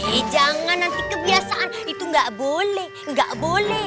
ih jangan nanti kebiasaan itu gak boleh gak boleh